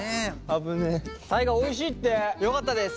大我おいしいって。よかったです。